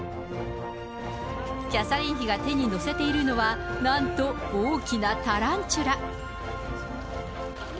キャサリン妃が手に乗せているのは、なんと、大きなタランチュラ。